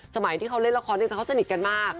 สมัยที่เขาเล่นละครด้วยกันเขาสนิทกันมาก